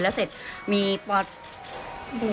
แล้วเสร็จมีปลอดภัย